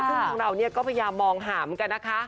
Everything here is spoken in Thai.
ซึ่งของเราก็พยายามมองหาเหมือนกันนะคะ